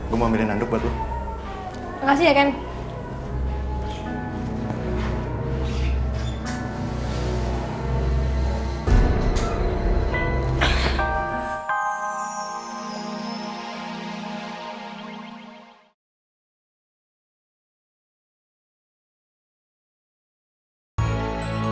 gue mau ambilin nanduk buat lo